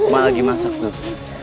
mak lagi masak tuh